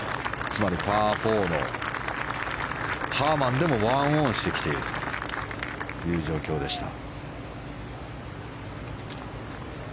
つまりパー４のハーマンでも１オンしてきているという状況でした。